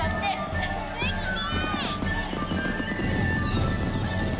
すっげえ！